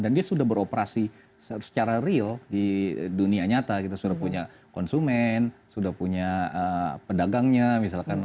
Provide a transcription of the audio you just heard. dan dia sudah beroperasi secara real di dunia nyata kita sudah punya konsumen sudah punya pedagangnya misalkan